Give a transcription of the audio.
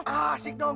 ih abang jangan bawa